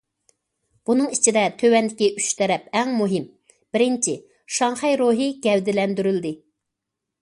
بۇنىڭ ئىچىدە تۆۋەندىكى ئۈچ تەرەپ ئەڭ مۇھىم: بىرىنچى،« شاڭخەي روھى» گەۋدىلەندۈرۈلدى.